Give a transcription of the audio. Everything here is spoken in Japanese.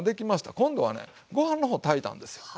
今度はねご飯の方炊いたんですよ。